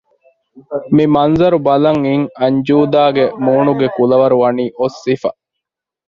މި މަންޒަރު ބަލަން އިން އަންޖޫދާގެ މޫނުގެ ކުލަވަރު ވަނީ އޮއްސިފަ